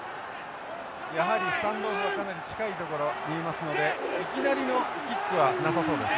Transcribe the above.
やはりスタンドオフがかなり近いところ見えますのでいきなりのキックはなさそうです。